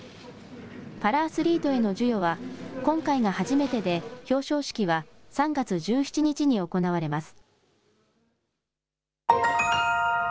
パラアスリートへの授与は、今回が初めてで、表彰式は３月１７日に行われます。